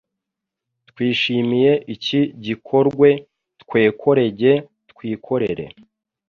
Twishimiye iki gikorwe twekorege twikorere